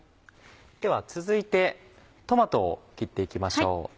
では続いてトマトを切って行きましょう。